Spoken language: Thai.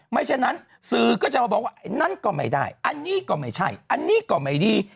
ฉะนั้นสื่อก็จะมาบอกว่าอันนั้นก็ไม่ได้อันนี้ก็ไม่ใช่อันนี้ก็ไม่ดี